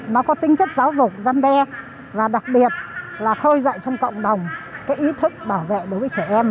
nó có tính chất giáo dục gian đe và đặc biệt là khơi dậy trong cộng đồng cái ý thức bảo vệ đối với trẻ em